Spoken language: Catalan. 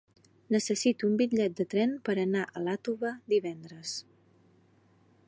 Necessito un bitllet de tren per anar a Iàtova divendres.